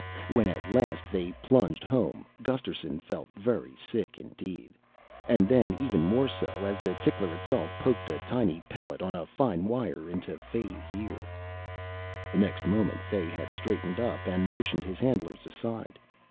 When at last they plunged home Gusterson felt very sick indeed and then even more so, as the tickler itself poked a tiny pellet on a fine wire into Fay's ear. The next moment Fay had straightened up and motioned his handlers aside.